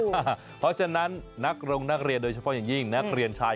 เพราะฉะนั้นนักรงนักเรียนโดยเฉพาะอย่างยิ่งนักเรียนชาย